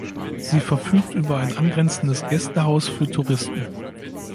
Sie verfügt über ein angrenzendes Gästehaus für Touristen.